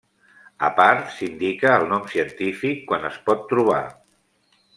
A part s'indica el nom científic quan es pot trobar.